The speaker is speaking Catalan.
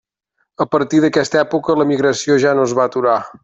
A partir d'aquesta època, l'emigració ja no es va aturar.